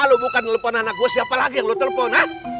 lu telepon anak gue siapa lagi yang lu telepon